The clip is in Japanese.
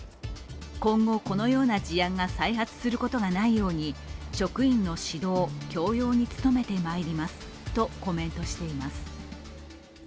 今後このような事案が再発することがないように職員の指導・教養に努めてまいりますとコメントしています。